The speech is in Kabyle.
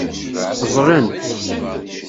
Ẓẓlen.